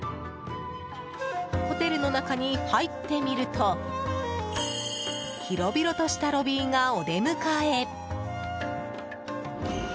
ホテルの中に入ってみると広々としたロビーがお出迎え。